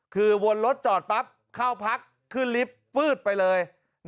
คือวนรถจอดปั๊บเข้าพักขึ้นลิฟต์ฟืดไปเลย